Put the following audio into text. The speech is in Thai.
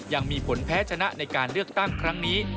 ยังมีผลแพ้ชนะในการเลือกตั้งครั้งนี้